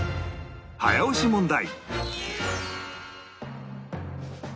早押し問題